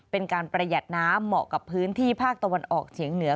เป็นการประหยัดน้ำเหมาะกับพื้นที่ภาคตะวันออกเฉียงเหนือ